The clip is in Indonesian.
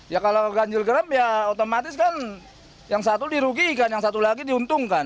ya kalau ganjil genap ya otomatis kan yang satu dirugikan yang satu lagi diuntungkan